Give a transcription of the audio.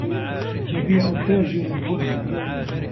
يَبِيعُ التَّاجِرُ الْبُنَّ.